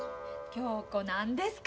恭子何ですか。